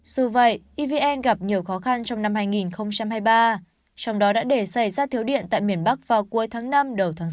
dù vậy evn gặp nhiều khó khăn trong năm hai nghìn hai mươi ba trong đó đã để xảy ra thiếu điện tại miền bắc vào cuối tháng năm đầu tháng sáu